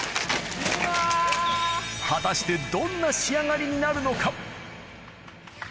果たしてどんな仕上がりになるのか。